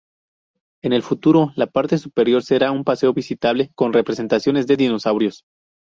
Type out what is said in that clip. En el futuro, la parte superior será un paseo visitable con representaciones de dinosaurios.